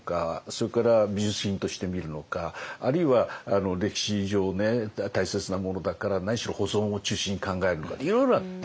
それから美術品として見るのかあるいは歴史上大切なものだから何しろ保存を中心に考えるのかっていろいろある。